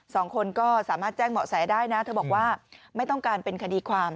สองคนก็สามารถแจ้งเหมาะแสได้นะเธอบอกว่าไม่ต้องการเป็นคดีความ